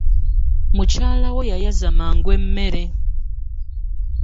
Mukyala wo yayaza mangu emmere.